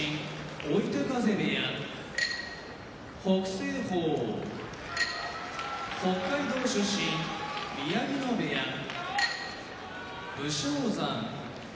追手風部屋北青鵬北海道出身宮城野部屋武将山